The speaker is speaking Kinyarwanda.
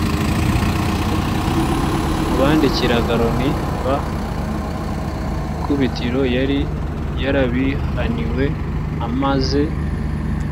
mu bandikiraga loni b ikubitiro yari yarabihaniwe amaze